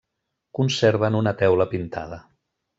Conserven una teula pintada.